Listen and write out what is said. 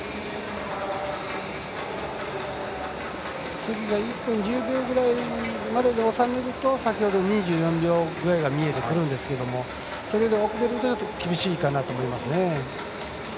次が１分１０秒ぐらいまで収めると先ほどの２４秒ぐらいが見えてくるんですけどそれが遅れると厳しいと思います。